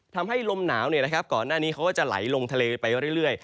ทำให้ลมหนาวก่อนหน้านี้เขาก็จะไหลลงทะเลไปเรื่อย